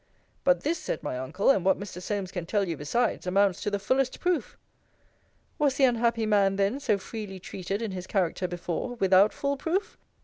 But this, said my uncle, and what Mr. Solmes can tell you besides, amounts to the fullest proof Was the unhappy man, then, so freely treated in his character before, without full proof?